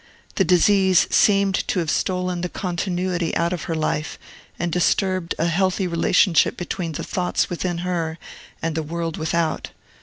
The disease seemed to have stolen the continuity out of her life, and disturbed an healthy relationship between the thoughts within her and the world without.